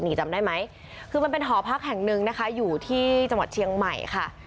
นี่จำได้ไหมคือมันเป็นหอพักแห่งหนึ่งนะคะอยู่ที่จังหวัดเชียงใหม่ค่ะ